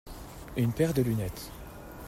Une paire de lunettes.